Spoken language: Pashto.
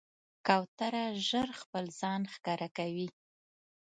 کوتره ژر خپل ځان ښکاره کوي.